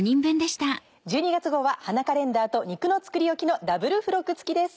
１２月号は花カレンダーと肉の作りおきのダブル付録付きです。